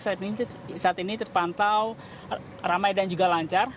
saat ini terpantau ramai dan juga lancar